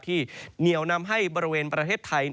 เหนียวนำให้บริเวณประเทศไทย